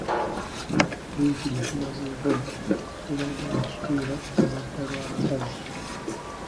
Wiiki gye tumazeeko tebadde ya kitiibwa ku ludda lwa bakazi.